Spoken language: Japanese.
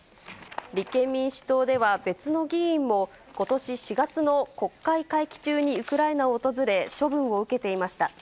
立憲民主党では、別の議員もことし４月の国会会期中にウクライナを訪れ、処分を受けていました。